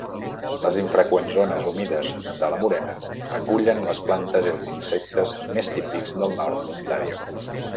Les infreqüents zones humides de la morena acullen les plantes i els insectes més típics del nord d'Ontario.